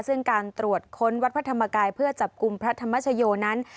ซึ่งการตรวจค้นวัดพระธรรมกายเพื่อจับกลุ่มพระธรรมชโยนั้น